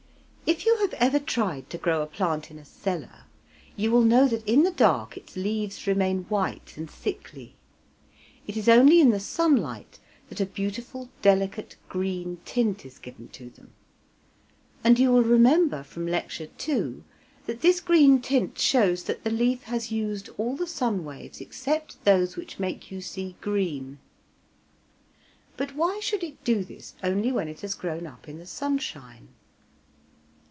If you have ever tried to grow a plant in a cellar, you will know that in the dark its leaves remain white and sickly. It is only in the sunlight that a beautiful delicate green tint is given to them, and you will remember from Lecture II. that this green tint shows that the leaf has used all the sun waves except those which make you see green; but why should it do this only when it has grown up in the sunshine?